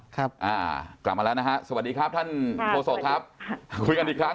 ครับอ่ากลับมาแล้วนะฮะสวัสดีครับท่านโฆษกครับคุยกันอีกครั้ง